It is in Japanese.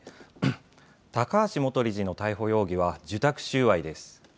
高橋元理事の逮捕容疑は受託収賄です。